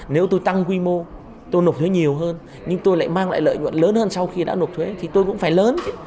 nếu tôi tăng quy mô tôi nộp thuế nhiều hơn nhưng tôi lại mang lại lợi nhuận lớn hơn sau khi đã nộp thuế thì tôi cũng phải lớn